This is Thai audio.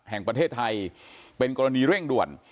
แห่งประเทศไทยเป็นกรณีเร่งด่วน